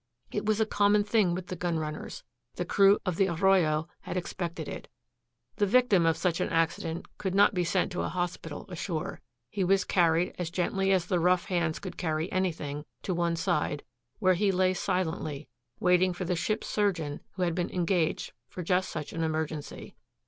It was a common thing with the gun runners. The crew of the Arroyo had expected it. The victim of such an accident could not be sent to a hospital ashore. He was carried, as gently as the rough hands could carry anything, to one side, where he lay silently waiting for the ship's surgeon who had been engaged for just such an emergency.